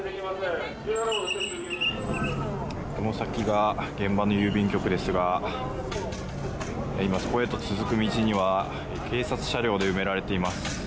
この先が現場の郵便局ですがそこへと続く道には警察車両で埋められています。